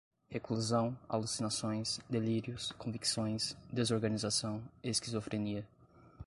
reclusão, alucinações, delírios, convicções, desorganização, esquizofrenia